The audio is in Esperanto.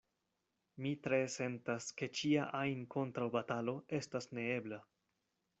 Mi tre sentas, ke ĉia ajn kontraŭbatalo estas neebla.